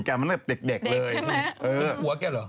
เจ้าชิอาวใช่ไหม